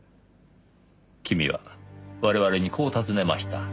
君は我々にこう尋ねました。